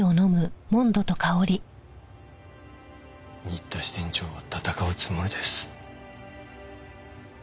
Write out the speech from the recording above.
新田支店長は闘うつもりです。